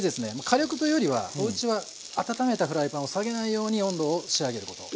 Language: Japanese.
火力というよりはおうちは温めたフライパンを下げないように温度を仕上げること。